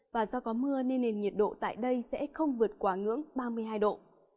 và do có mưa nên nền nhiệt độ tại đây sẽ không vượt quá ngưỡng ba mươi hai độ